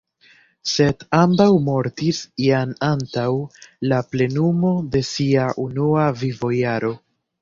Sed ambaŭ mortis jam antaŭ la plenumo de sia unua vivojaro.